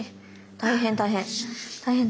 大変大変。